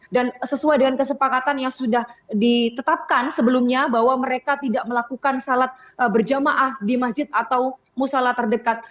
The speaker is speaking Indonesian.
dan sesuai dengan kesepakatan yang sudah ditetapkan sebelumnya bahwa mereka tidak melakukan sholat berjamaah di masjid atau mushalat terdekat